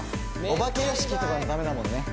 お化け屋敷とかもダメだもんね